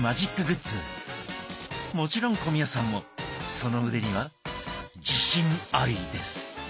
もちろん小宮さんもその腕には自信ありです。